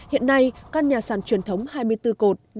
hiện nay căn nhà sàn truyền thống hai mươi bốn cột